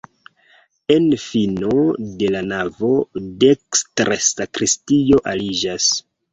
En fino de la navo dekstre sakristio aliĝas.